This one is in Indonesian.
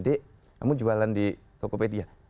dedek kamu jualan di tokopedia